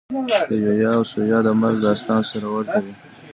د یویا او ثویا د مرګ داستان سره ورته وي.